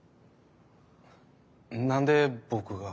何で僕が。